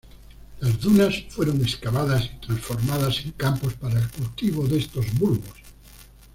Las dunas fueron excavadas y transformadas en campos para el cultivo de estos bulbos.